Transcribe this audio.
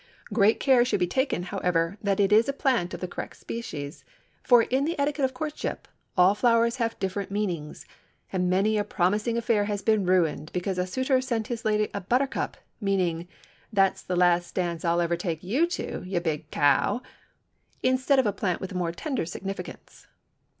Great care should be taken, however, that it is a plant of the correct species, for in the etiquette of courtship all flowers have different meanings and many a promising affair has been ruined because a suitor sent his lady a buttercup, meaning "That's the last dance I'll ever take you to, you big cow," instead of a plant with a more tender significance.